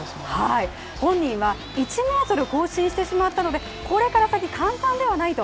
本人は、１ｍ更新してしまったのでこれから先、簡単ではないと。